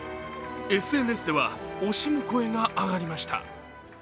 ＳＮＳでは惜しむ声が上がりました。